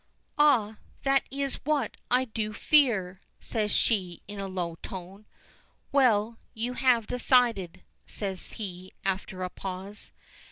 "Ah, that is what I do fear," says she in a low tone. "Well, you have decided," says he, after a pause.